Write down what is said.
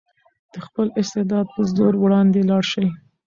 د خپل استعداد په زور وړاندې لاړ شئ.